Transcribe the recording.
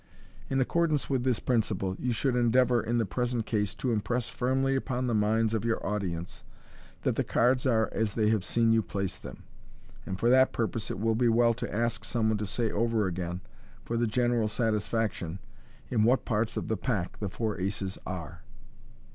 In accordance with this principle, you should endeavour in the present case to impress firmly upon the minds of your audience that the cards are as they have seen you place them j and for that purpose it is well to ask some one to say over again, for the general satisfaction, in what parts of the pack the four aces are.